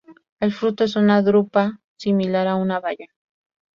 El fruto es una drupa similar a una baya.